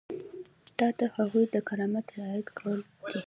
دا د هغوی د کرامت رعایت کول دي.